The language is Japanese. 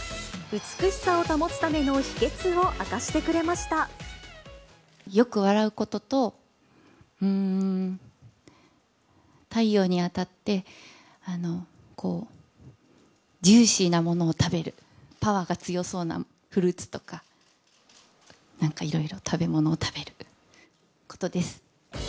美しさを保つための秘けつを明かよく笑うことと、うーん、太陽に当たって、ジューシーなものを食べる、パワーが強そうなフルーツとか、なんかいろいろ食べ物を食べることです。